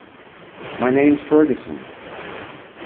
My name's Ferguson.